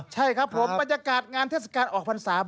ใช่ครับผมบรรยากาศงานเทศกาลออกพรรษา